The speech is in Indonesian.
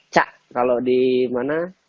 cah kalau di mana